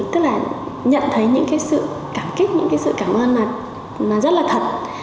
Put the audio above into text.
tức là nhận thấy những cái sự cảm kích những cái sự cảm ơn mà rất là thật